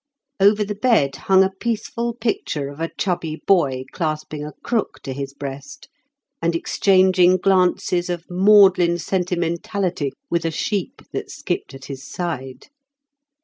Over the bed hung a peaceful picture of a chubby boy clasping a crook to his breast, and exchanging glances of maudlin sentimentality with a sheep that skipped at his side.